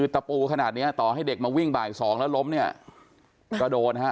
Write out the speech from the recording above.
ตะปูขนาดเนี้ยต่อให้เด็กมาวิ่งบ่าย๒แล้วล้มเนี่ยก็โดนฮะ